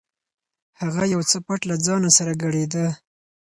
هغه یو څه پټ له ځانه سره ګړېده.